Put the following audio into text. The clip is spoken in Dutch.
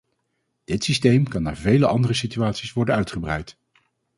Dit systeem kan naar vele andere situaties worden uitgebreid.